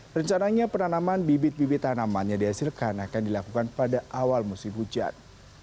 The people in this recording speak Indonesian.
rencananya penanaman bibit bibit tanaman yang dihasilkan akan dilakukan pada awal musim hujan